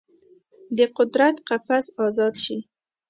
د قدرت قفس ازاد شي